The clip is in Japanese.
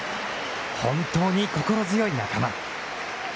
「本当に心強い仲間。